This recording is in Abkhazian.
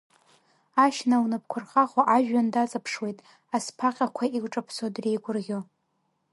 Ашьна лнапқәа рхахо ажәҩан даҵаԥшуеит, асԥаҟьақәа илҿаԥсо дреигәырӷьо.